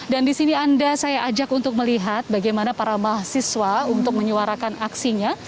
di sini anda saya ajak untuk melihat bagaimana para mahasiswa untuk menyuarakan aksinya